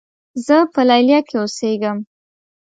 زۀ په لیلیه کې اوسېږم.